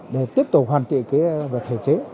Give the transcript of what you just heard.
để tiếp tục hoàn thiện